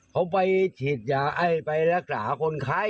เขาไปฉีดยาไอ้ไปรักษาคนไข้